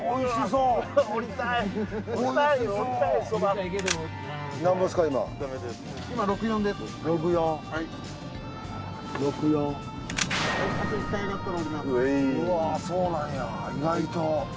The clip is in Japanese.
うわそうなんや意外と。